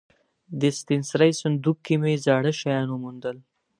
د ستنسرۍ صندوق کې مې زاړه شیان وموندل.